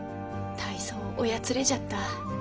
大層おやつれじゃった。